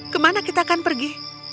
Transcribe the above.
kemana kita akan pergi